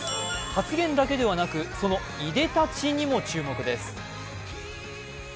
発言だけではなくそのいでたちにも注目です。